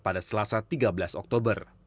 pada selasa tiga belas oktober